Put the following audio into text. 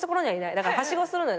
だからはしごするのよ。